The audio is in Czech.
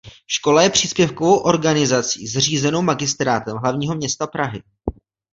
Škola je příspěvkovou organizací zřízenou Magistrátem hlavního města Prahy.